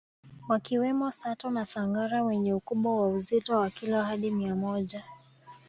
Wakiwemo Sato na Sangara wenye ukubwa wa uzito wa kilo hadi mia moja